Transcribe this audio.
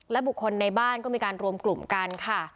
บุคคลในบ้านก็มีการรวมกลุ่มกันค่ะ